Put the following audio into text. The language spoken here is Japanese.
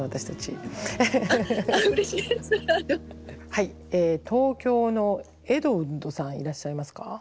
はい東京のエドウッドさんいらっしゃいますか？